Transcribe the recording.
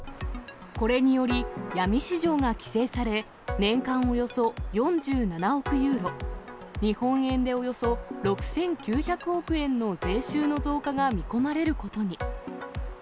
これにより、闇市場が規制され、年間およそ４７億ユーロ、日本円でおよそ６９００億円の税収の増加が見込まれることに。